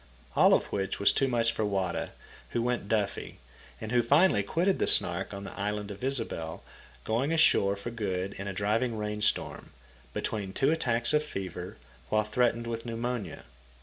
All of which was too much for Wada, who went daffy, and who finally quitted the Snark on the island of Ysabel, going ashore for good in a driving rain storm, between two attacks of fever, while threatened with pneumonia.